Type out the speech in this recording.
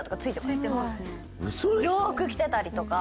洋服着てたりとか。